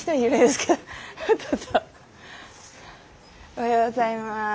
おはようございます。